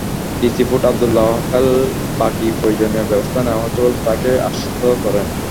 DC port Abdullah Hel Baki প্রয়োজনীয় ব্যবস্থা নেওয়া হচ্ছে বলে তাঁকে আশ্বস্ত করেন।